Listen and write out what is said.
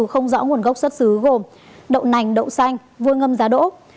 không rõ nguồn gốc xuất xứ gồm đậu nành đậu xanh vừa ngâm giá đỗ